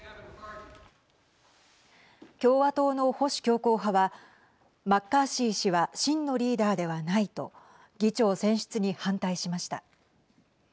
共和党の保守強硬派はマッカーシー氏は真のリーダーではないと議長選出に反対しました。